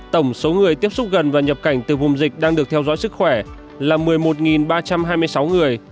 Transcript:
tổng số người tiếp xúc gần và nhập cảnh từ vùng dịch đang được theo dõi sức khỏe là một mươi một ba trăm hai mươi sáu người